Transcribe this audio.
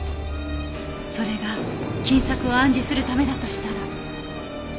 それが金策を暗示するためだとしたら。